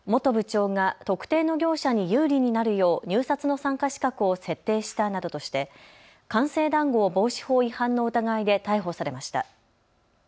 元部長が特定の業者に有利になるよう入札の参加資格を設定したなどとして官製談合防止法違反の疑いで逮捕されました。